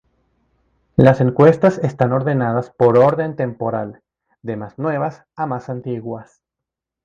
Las encuestas están ordenadas por orden temporal, de más nuevas a más antiguas.